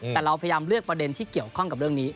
แต่เราพยายามเลือกประเด็นที่เกี่ยวข้องกับเรื่องนี้